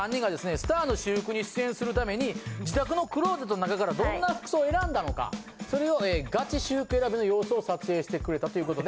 スターの私服に出演するために自宅のクローゼットの中からどんな服装を選んだのかそれをガチ私服選びの様子を撮影してくれたということで。